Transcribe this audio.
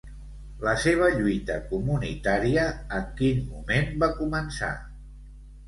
La seva lluita comunitària, en quin moment va començar?